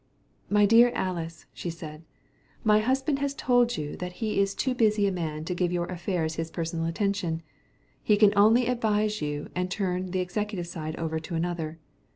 "My dear Alys," she said, "my husband has told you that he is too busy a man to give your affairs his personal attention. He can only advise you and turn the executive side over to another.